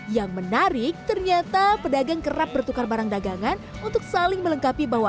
yang menarik ternyata pedagang kerap bertukar barang dagangan untuk saling melengkapi bahwa